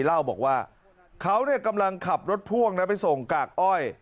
เล่าบอกว่าเขากำลังขับรถพ่วงนะไปส่งกากอ้อย